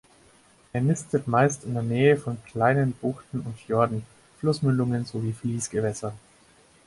Er nistet meist in der Nähe von kleinen Buchten und Fjorden, Flussmündungen sowie Fließgewässern.